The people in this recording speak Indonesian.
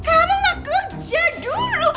emang gak kerja dulu